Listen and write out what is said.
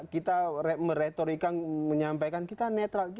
kita meretorika menyampaikan kita netral